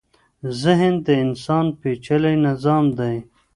ذهن د انسان پېچلی نظام دی.